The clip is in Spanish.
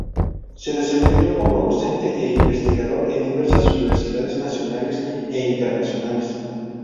Se desempeñó como docente e investigador en diversas universidades nacionales e internacionales.